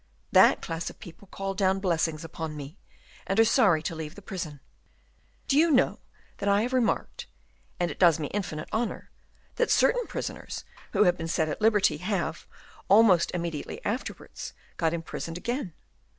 That class of people call down blessings upon me, and are sorry to leave the prison. Do you know that I have remarked, and it does me infinite honor, that certain prisoners, who have been set at liberty, have, almost immediately afterwards, got imprisoned again?